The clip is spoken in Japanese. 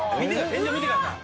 天井見てください。